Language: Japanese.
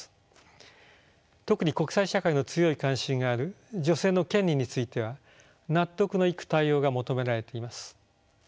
特に国際社会の強い関心がある女性の権利については納得のいく対応が求められています。